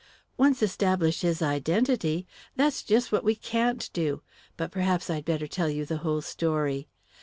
"Once establish his identity " "That's just what we can't do. But perhaps I'd better tell you the whole story."